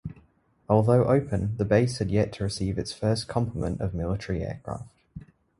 Although open, the base had yet to receive its first complement of military aircraft.